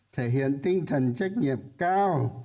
thể hiện tinh thần trách nhiệm cao